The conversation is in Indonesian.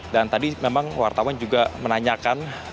dan tadi memang wartawan juga menanyakan